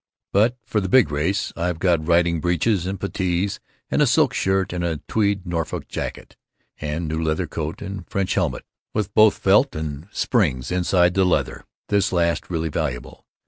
But for the big race I've got riding breeches and puttees and a silk shirt and a tweed Norfolk jacket and new leather coat and French helmet with both felt and springs inside the leather—this last really valuable.